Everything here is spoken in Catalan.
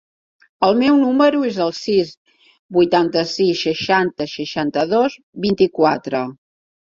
El meu número es el sis, vuitanta-sis, seixanta, seixanta-dos, vint-i-quatre.